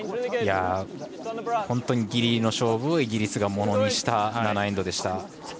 本当にギリギリの勝負をイギリスがものにした７エンドでした。